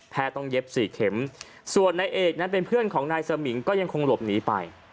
ต้องเย็บสี่เข็มส่วนนายเอกนั้นเป็นเพื่อนของนายสมิงก็ยังคงหลบหนีไป